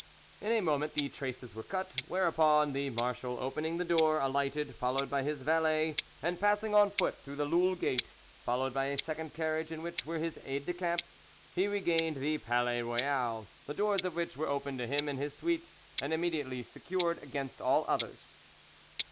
In a moment the traces were cut, whereupon the marshal, opening the door, alighted, followed by his valet, and passing on foot through the Loulle gate, followed by a second carriage in which were his aides de camp, he regained the "Palais Royal," the doors of which were opened to him and his suite, and immediately secured against all others.